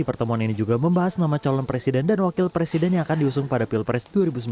pertemuan ini juga membahas nama calon presiden dan wakil presiden yang akan diusung pada pilpres dua ribu sembilan belas